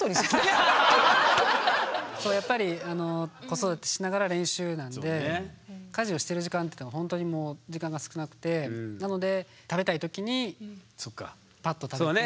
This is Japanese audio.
やっぱり子育てしながら練習なんで家事をしてる時間って本当にもう時間が少なくてなので食べたい時にぱっと食べて。